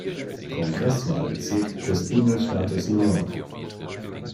Kongresswahlbezirk des Bundesstaates New York.